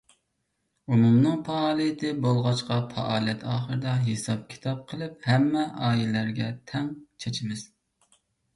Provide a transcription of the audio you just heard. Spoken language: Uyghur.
ئومۇمنىڭ پائالىيىتى بولغاچقا، پائالىيەت ئاخىرىدا ھېساب-كىتاب قىلىپ، ھەممە ئائىلىلەرگە تەڭ چاچىمىز.